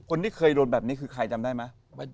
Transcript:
คนที่เคยโดนแบบนี้คือใครจำได้ไหม